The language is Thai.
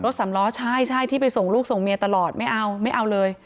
สามล้อใช่ใช่ที่ไปส่งลูกส่งเมียตลอดไม่เอาไม่เอาเลย